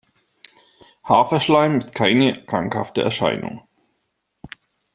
Haferschleim ist keine krankhafte Erscheinung.